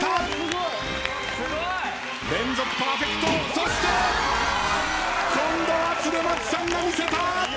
そして今度は恒松さんが見せた！